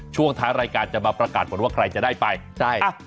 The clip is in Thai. ช่วงท้ายรายการจะมาประกาศผลว่าใครจะได้ไปใช่ค่ะ